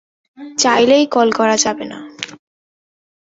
চাইলেই কল করা যাবে না।